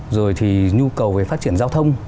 rồi thì nhu cầu về phát triển giao thông